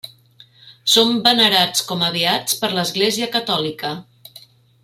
Són venerats com a beats per l'Església catòlica.